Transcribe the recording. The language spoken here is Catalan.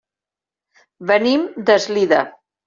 Venim d'Eslida.